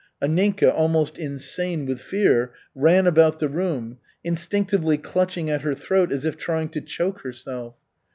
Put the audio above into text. Anninka, almost insane with fear, ran about the room, instinctively clutching at her throat as if trying to choke herself.